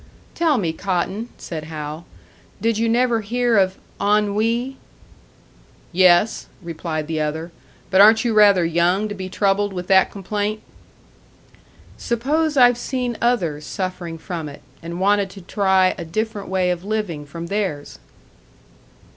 "Tell me, Cotton," said Hal, "did you never hear of ennui?" "Yes," replied the other, "but aren't you rather young to be troubled with that complaint?" "Suppose I've seen others suffering from it, and wanted to try a different way of living from theirs?"